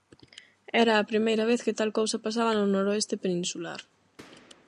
Era a primeira vez que tal cousa pasaba no noroeste peninsular.